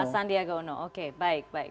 pasandia gauno oke baik baik